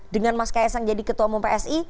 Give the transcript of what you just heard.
dengan mas kaisang jadi ketua umum psi